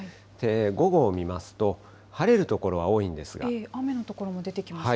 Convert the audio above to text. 午後を見ますと、晴れる所は多い雨の所も出てきますね。